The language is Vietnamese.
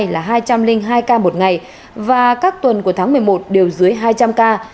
là hai trăm linh hai ca một ngày và các tuần của tháng một mươi một đều dưới hai trăm linh ca